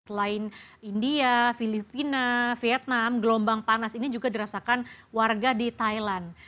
selain india filipina vietnam gelombang panas ini juga dirasakan warga di thailand